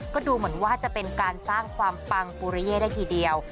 ก็ดูเหมือนว่าจะเป็นการสร้างความปังปุริเย่ได้ทีเดียว